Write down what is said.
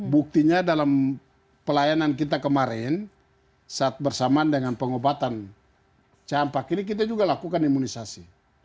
buktinya dalam pelayanan kita kemarin saat bersamaan dengan pengobatan campak ini kita juga lakukan imunisasi